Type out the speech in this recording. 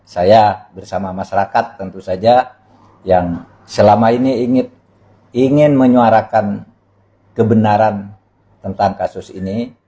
saya bersama masyarakat tentu saja yang selama ini ingin menyuarakan kebenaran tentang kasus ini